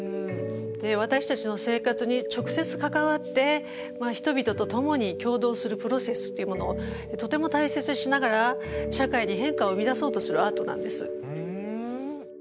私たちの生活に直接関わって人々と共に協働するプロセスっていうものをとても大切にしながら社会に変化を生み出そうとするアートなんです。